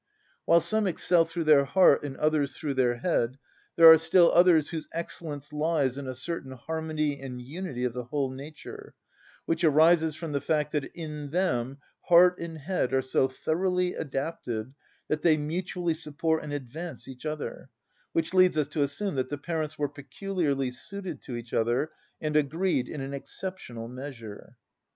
While some excel through their heart and others through their head, there are still others whose excellence lies in a certain harmony and unity of the whole nature, which arises from the fact that in them heart and head are so thoroughly adapted that they mutually support and advance each other; which leads us to assume that the parents were peculiarly suited to each other, and agreed in an exceptional measure.